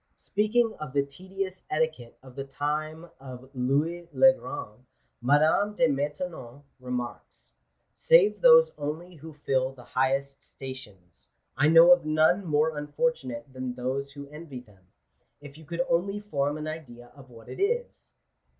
Speaking of the tedious etiquette of the time of Louis le Grand, Madame de Maintenon remarks, " Save those only who fill the highest stations, I know of none more un fortunate than those who envy them. If you could only form an idea of what it is